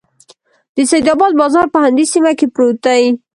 د سیدآباد بازار په همدې سیمه کې پروت دی.